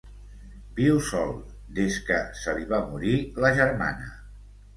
Viu sol, des que se li va morir la germana.